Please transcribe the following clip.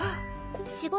仕事